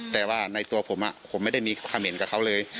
แต่ว่าในตัวผมผมไม่ได้มีความเห็นกับเขาเลย